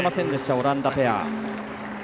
オランダペア。